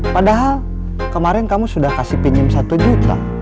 padahal kemarin kamu sudah kasih pinjam satu juta